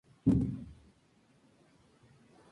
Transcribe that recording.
Posteriormente, recaló en el Bologna.